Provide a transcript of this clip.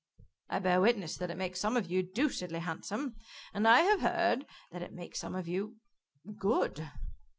"I bear witness that it makes some of you deucedly handsome. And I have heard that it makes some of you good."